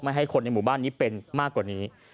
ให้คนในหมู่บ้านนี้เป็นมากกว่านี้